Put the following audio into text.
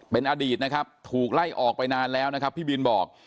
เป็นอดีตนะครับถูกไล่ออกไปนานแล้วนะครับพี่บินบอก